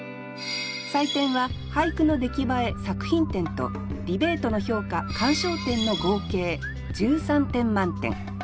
採点は俳句の出来栄え作品点とディベートの評価鑑賞点の合計１３点満点。